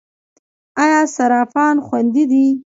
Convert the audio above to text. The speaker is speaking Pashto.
آیا صرافان خوندي دي؟